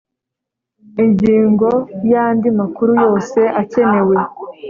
Ingingo y’Andi makuru yose akenewe.